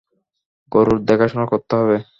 গরুর দেখাশোনা করতে হবে।